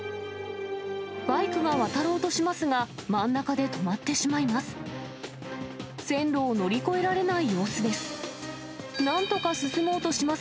バイクが渡ろうとしますが、真ん中で止まってしまいます。